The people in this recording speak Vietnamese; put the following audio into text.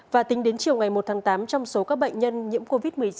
và tính đến chiều ngày một tháng tám trong số các bệnh nhân nhiễm covid một mươi chín